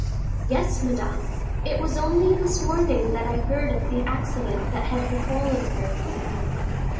"Yes, Madame; it was only this morning that I heard of the accident that had befallen her."